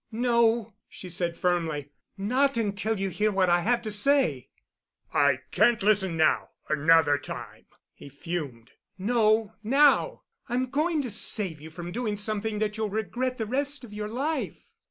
"No," she said firmly, "not until you hear what I have to say——" "I can't listen now—another time," he fumed. "No, now. I'm going to save you from doing something that you'll regret the rest of your life."